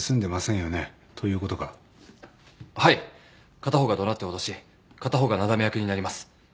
片方が怒鳴って脅し片方がなだめ役になります。